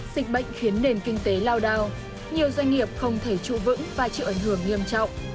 dịch bệnh khiến nền kinh tế lao đao nhiều doanh nghiệp không thể trụ vững và chịu ảnh hưởng nghiêm trọng